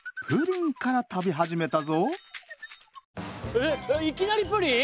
えっえっいきなりプリン！？